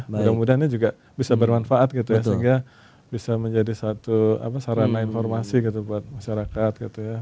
mudah mudahan ini juga bisa bermanfaat gitu ya sehingga bisa menjadi satu sarana informasi gitu buat masyarakat gitu ya